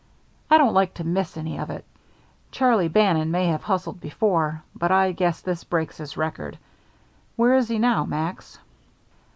I don't like to miss any of it. Charlie Bannon may have hustled before, but I guess this breaks his record. Where is he now, Max?"